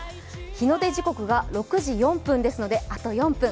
日の出時刻が６時４分ですので、あと４分。